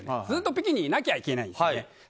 ずっと北京にいなきゃいけないんです。